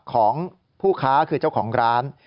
ของผู้ค้าคือเจ้าของร้าน